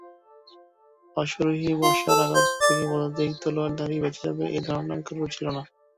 অশ্বারোহীর বর্শার আঘাত থেকে পদাতিক তলোয়ারধারী বেঁচে যাবে এ ধারণা কারোর ছিল না।